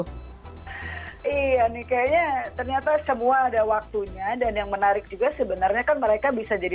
iya nih kayaknya ternyata semua ada waktunya dan yang menarik juga sebenarnya kan mereka bisa jadi